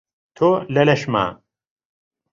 تۆ لە لەشما